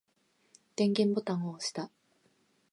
電源ボタンを押した。